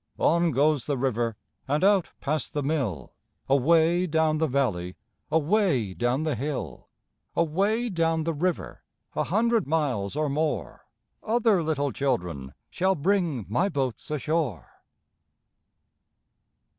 On goes the river And out past the mill, Away down the valley, Away down the hill. Away down the river, A hundred miles or more, Other little children Shall bring my boats ashore.